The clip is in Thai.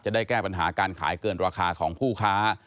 ได้แก้ปัญหาการขายเกินราคาของผู้ค้า